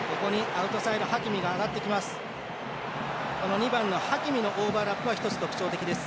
２番のハキミのオーバーラップは１つ、特徴的です。